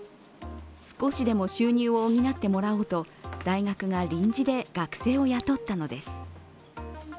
少しでも収入を補ってもらおうと大学が臨時で学生を雇ったのです。